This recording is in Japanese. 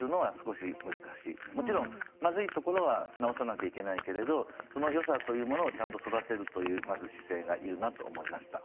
もちろんまずいところは直さなきゃいけないけれどそのよさというものをちゃんと育てるというまず姿勢がいるなと思いました。